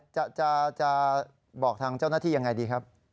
จะบอกทางเจ้าหน้าที่ยังไงดีครับ